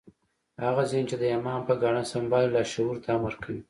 هغه ذهن چې د ايمان په ګاڼه سمبال وي لاشعور ته امر کوي.